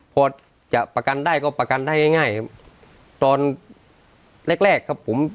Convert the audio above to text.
พอจะประกันได้ก็ประกันได้ง่ายตอนแรกครับผม